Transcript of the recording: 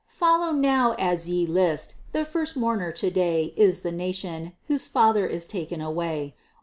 Follow now, as ye list! The first mourner to day Is the nation whose father is taken away!